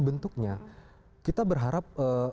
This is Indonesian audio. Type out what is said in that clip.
bentuknya kita berharap